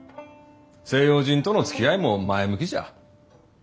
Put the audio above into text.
西洋人とのつきあいも前向きじゃ。